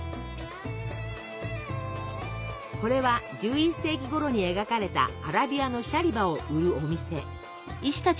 これは１１世紀ごろに描かれたアラビアのシャリバを売るお店。